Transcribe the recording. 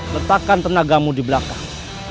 letakkan tenagamu di belakang